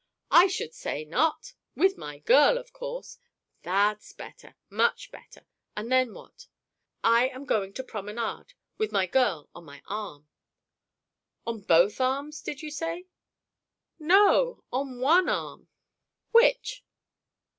"I should say not! With my girl, of course." "That's better, much better. And then what?" "I am going to promenade, with my girl on my arm." "On both arms, did you say?" "No; on one arm." "Which?"